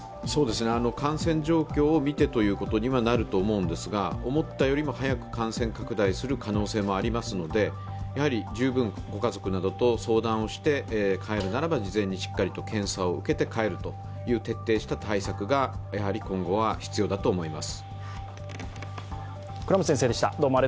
感染状況を見てということにはなると思うんですが思ったよりも早く感染拡大する可能性もありますので、やはり十分ご家族などと相談して、帰るならば事前にしっかりと検査を受けて帰るという徹底した対策が、やはり今後は必要だと思います。